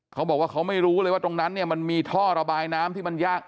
เขาบอกว่าเขาไม่รู้เลยว่าตรงนั้นเนี่ยมันมีท่อระบายน้ำที่มันยาก